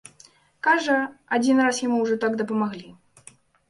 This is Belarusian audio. Кажа, адзін раз яму ўжо так дапамаглі.